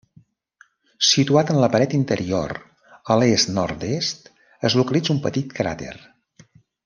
Situat en la paret interior a l'est-nord-est es localitza un petit cràter.